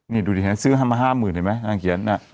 นี่ดูดินะซื้อมา๕๐๐๐๐เห็นไหมน่าเขียน